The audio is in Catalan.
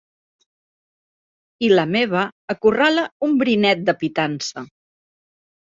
I l’ameba acorrala un brinet de pitança.